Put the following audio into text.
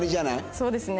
そうですね。